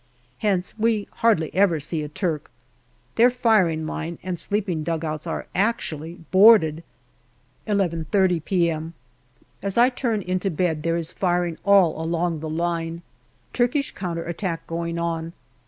Hence we hardly ever see a Turk. Their firing line and the sleeping dugouts are actually boarded. 11.30 p.m. As I turn into bed there is firing all along the line. Turkish counter attack going on.